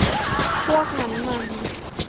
พวกนั้นมัน